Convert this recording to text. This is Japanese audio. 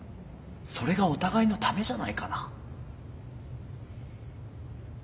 それがお互いのためじゃないかな？